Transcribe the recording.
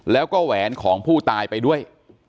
แล้วก็แหวนของผู้ตายไปด้วย